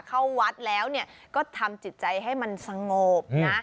เข้าวัดแล้วก็ทำจิตใจให้มันสงบนะ